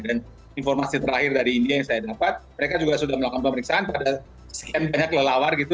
dan informasi terakhir dari india yang saya dapat mereka juga sudah melakukan pemeriksaan pada skan banyak kelelawar gitu